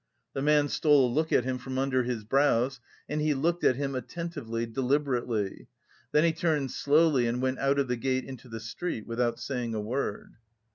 The man stole a look at him from under his brows and he looked at him attentively, deliberately; then he turned slowly and went out of the gate into the street without saying a word.